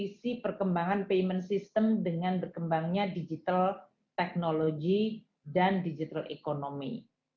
dan juga dari sisi perkembangan payment system dengan berkembangnya digital technology dan digital economy